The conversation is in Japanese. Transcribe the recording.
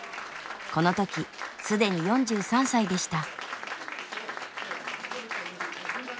この時既に４３歳でした。